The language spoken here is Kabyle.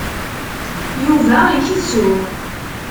Yuba ikessu.